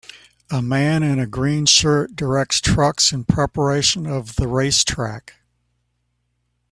A man in a green shirt directs trucks in preparation of the racetrack.